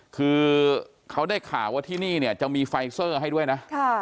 คือเขาได้ข่าวว่าที่นี่เนี่ยจะมีไฟเซอร์ให้ด้วยนะ